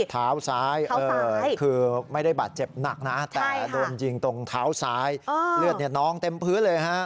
เท้าซ้ายคือไม่ได้บาดเจ็บหนักนะแต่โดนยิงตรงเท้าซ้ายเลือดน้องเต็มพื้นเลยฮะ